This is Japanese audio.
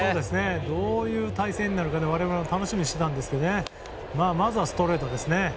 どういう対戦になるか我々も楽しみにしてましたがまずはストレートですね。